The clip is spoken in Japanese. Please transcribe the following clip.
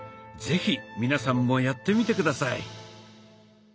是非皆さんもやってみて下さい。